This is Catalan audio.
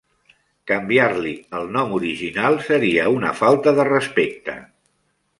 Canviar-li el nom original seria una falta de respecte.